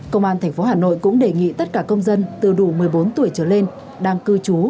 công an tp hà nội cũng đề nghị tất cả công dân từ đủ một mươi bốn tuổi trở lên đang cư trú